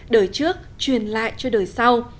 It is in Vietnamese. đời trước truyền lại cho đời sau